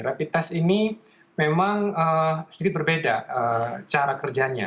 rapid test ini memang sedikit berbeda cara kerjanya